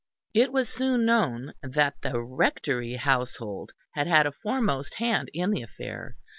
It was soon known that the Rectory household had had a foremost hand in the affair.